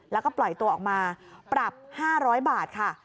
แล้วก็ปล่อยตัวออกมาปรับ๕๐๐บาทค่ะ